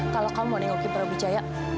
kalau kamu mau nengokin prabu jaya